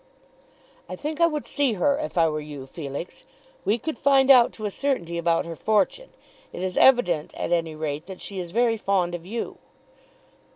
"I think I would see her if I were you, Felix. We could find out to a certainty about her fortune. It is evident at any rate that she is very fond of you."